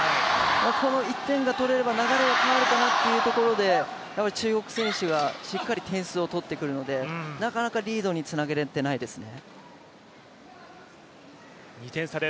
この１点が取れれば流れが変わるかなというところで、中国選手がしっかり点を取ってくるのでなかなかリードにつなげられてないですね。